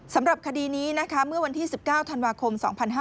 สำหรับคดีนี้นะคะเมื่อวันที่๑๙ธันวาคม๒๕๕๙